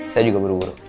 saya juga buru buru